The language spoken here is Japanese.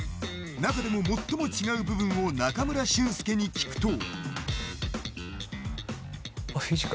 中でも最も違う部分を中村俊輔に聞くと。